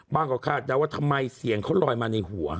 ก็คาดเดาว่าทำไมเสียงเขาลอยมาในหัว